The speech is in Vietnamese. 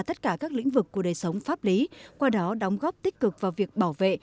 tất cả các lĩnh vực của đời sống pháp lý qua đó đóng góp tích cực vào việc bảo vệ